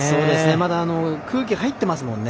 まだ空気入ってますもんね。